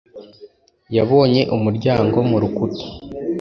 yabonye umuryango mu rukuta;